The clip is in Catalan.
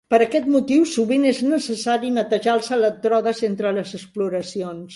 Per aquest motiu sovint és necessari netejar els elèctrodes entre les exploracions.